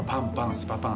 スパパン！